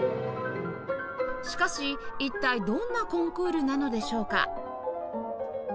しかし一体どんなコンクールなのでしょうか？